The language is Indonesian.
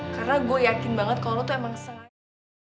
karena gue yakin banget kalau lu tuh emang sengaja